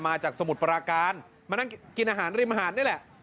สมุทรปราการมานั่งกินอาหารริมหาดนี่แหละ